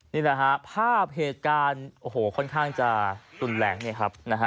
นี่แหละฮะภาพเหตุการณ์โอ้โหค่อนข้างจะตุนแหลงเนี่ยครับนะฮะ